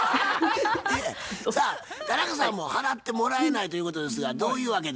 さあ田中さんも払ってもらえないということですがどういうわけで？